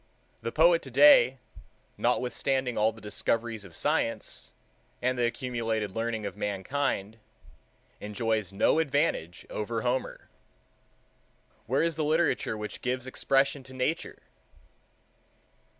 The poet today, notwithstanding all the discoveries of science, and the accumulated learning of mankind, enjoys no advantage over Homer. Where is the literature which gives expression to Nature?